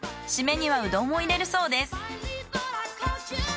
シメにはうどんを入れるそうです。